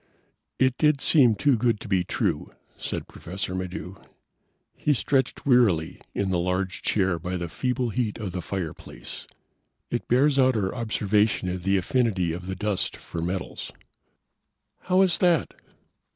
"It did seem too good to be true," said Professor Maddox. He stretched wearily in the large chair by the feeble heat of the fireplace. "It bears out our observation of the affinity of the dust for metals." "How is that?"